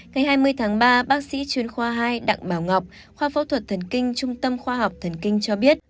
ngày hai mươi tháng ba bác sĩ chuyên khoa hai đặng bảo ngọc khoa phẫu thuật thần kinh trung tâm khoa học thần kinh cho biết